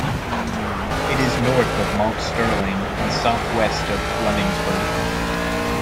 It is north of Mount Sterling and southwest of Flemingsburg.